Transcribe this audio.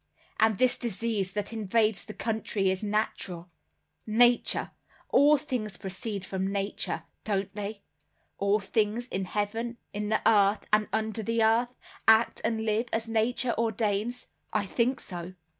"And this disease that invades the country is natural. Nature. All things proceed from Nature—don't they? All things in the heaven, in the earth, and under the earth, act and live as Nature ordains? I think so."